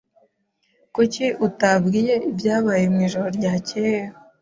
Kuki utabwiye ibyabaye mwijoro ryakeye?